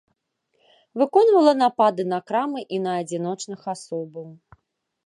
Выконвала напады на крамы і на адзіночных асобаў.